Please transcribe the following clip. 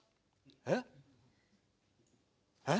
えっ？えっ？